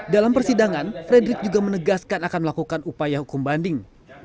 dalam persidangan frederick juga menegaskan akan melakukan upaya hukum banding